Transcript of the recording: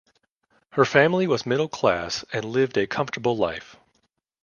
Her family was middle class and lived a comfortable life.